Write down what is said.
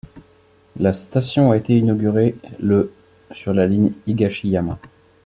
La station a été inaugurée le sur la ligne Higashiyama.